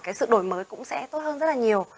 cái sự đổi mới cũng sẽ tốt hơn rất là nhiều